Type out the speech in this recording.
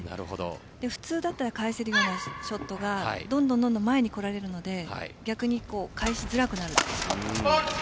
普通だったら返せるようなショットがどんどん前に来られるので返しづらくなる。